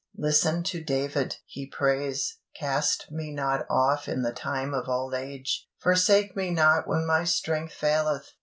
Listen to David! He prays: "Cast me not off in the time of old age; forsake me not when my strength faileth....